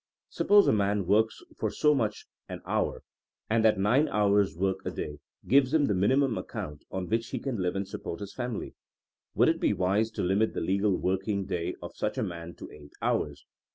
Suppose a man works for so much an hour, and that nine hours * work a day gives him the mini mum amount on which he can live and support his family. Would it be wise to limit the legal working day of such a man to eight hours?